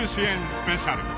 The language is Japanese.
スペシャル